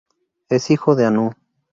Es hijo de Anu.